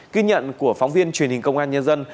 ghi nhận của phóng viên truyền hình công an nhân dân